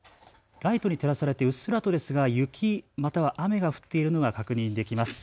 ライトに照らされてうっすらとですが雪または雨が降っているのが確認できます。